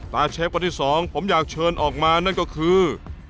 เชฟคนที่สองผมอยากเชิญออกมานั่นก็คือ